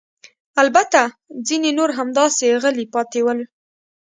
البته ځیني نور همداسې غلي پاتې ول.